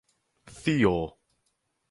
Theol.